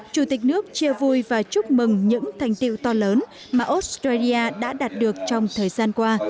chủ tịch nước chia vui và chúc mừng những thành tiệu to lớn mà australia đã đạt được trong thời gian qua